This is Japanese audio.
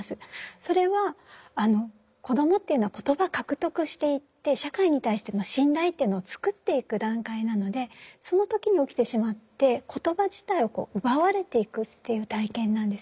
それは子どもっていうのは言葉獲得していって社会に対して信頼というのをつくっていく段階なのでその時に起きてしまって言葉自体を奪われていくっていう体験なんです。